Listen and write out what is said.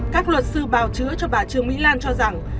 các luật sư bào chữa cho bà trương mỹ lan cho rằng